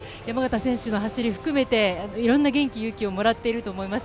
みんな山縣選手の走りを含めていろんな元気、勇気をもらってると思います。